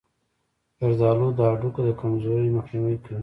زردآلو د هډوکو د کمزورۍ مخنیوی کوي.